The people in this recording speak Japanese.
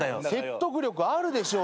説得力あるでしょうよ。